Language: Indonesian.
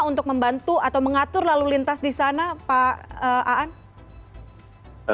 untuk membantu atau mengatur lalu lintas di sana pak aan